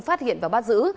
phát hiện và bắt giữ